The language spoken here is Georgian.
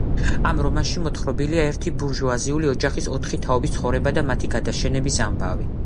ამ რომანში მოთხრობილია ერთი ბურჟუაზიული ოჯახის ოთხი თაობის ცხოვრება და მათი გადაშენების ამბავი.